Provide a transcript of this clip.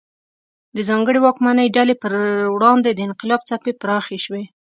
د ځانګړې واکمنې ډلې پر وړاندې د انقلاب څپې پراخې شوې.